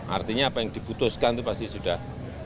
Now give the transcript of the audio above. artinya apa yang dibutuhkan itu pasti sudah